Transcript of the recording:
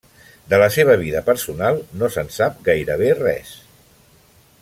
De la seva vida personal no se'n sap gairebé res.